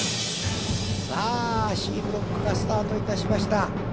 さあＣブロックがスタートいたしました。